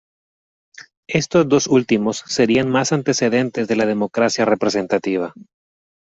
Estos dos últimos serían más antecedentes de la democracia representativa.